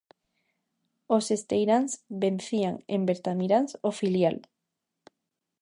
Os esteiráns vencían en Bertamiráns ao filial.